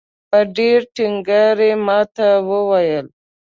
په ډېر ټینګار ماته وویل.